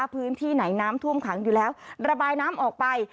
พื้นที่ไหนน้ำท่วมขังอยู่แล้วระบายน้ำออกไป